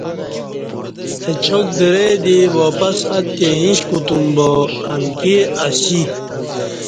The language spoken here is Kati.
اچاک درئ دی واپس اتی ایݩش کوتوم با امکی اسی۔